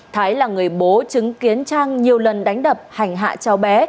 thái là người bố chứng kiến trang nhiều lần đánh đập hành hạ cháu bé